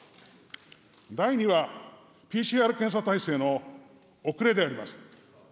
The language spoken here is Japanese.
第２は、ＰＣＲ検査体制の遅れであります。